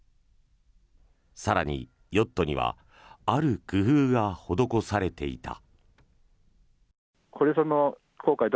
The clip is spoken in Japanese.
更に、ヨットにはある工夫が施されていた。